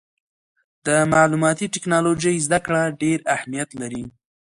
د معلوماتي ټکنالوجۍ زدهکړه ډېر اهمیت لري.